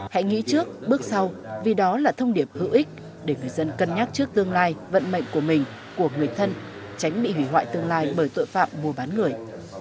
hãy nghĩ trước bước sau vì đó là thông điệp hữu ích để người dân cân nhắc trước tương lai vận mệnh của mình của người thân tránh bị hủy hoại tương lai bởi tội phạm mua bán người